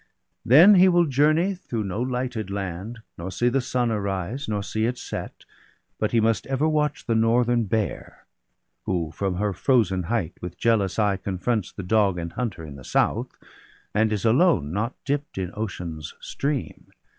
Then he will journey through no lighted land, Nor see the sun arise, nor see it set; But he must ever watch the northern bear. Who from her frozen height with jealous eye Confronts the dog and hunter in the south. And is alone not dipt in Ocean's stream.